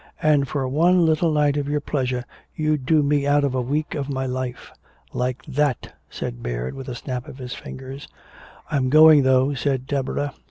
And for one little night of your pleasure you'd do me out of a week of my life!" "Like that," said Baird, with a snap of his fingers. "I'm going, though," said Deborah.